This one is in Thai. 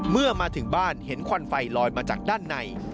เมื่อมาถึงบ้านเห็นควันไฟลอยมาจากด้านใน